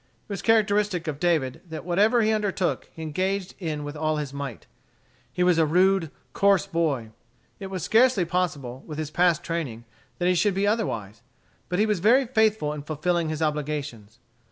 It was characteristic of David that whatever he undertook he engaged in with all his might. He was a rude, coarse boy. It was scarcely possible, with his past training, that he should be otherwise. But he was very faithful in fulfilling his obligations.